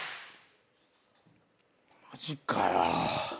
マジかよ。